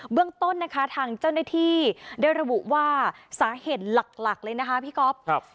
เรื่องต้นนะคะทางเจ้าหน้าที่ได้ระบุว่าสาเหตุหลักเลยนะคะพี่ก๊อฟ